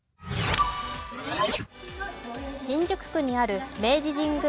新宿区にある明治神宮